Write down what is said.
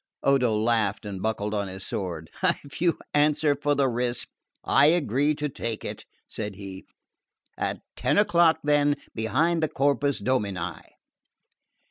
Odo laughed and buckled on his sword. "If you answer for the risk, I agree to take it," said he. "At ten o'clock then, behind the Corpus Domini."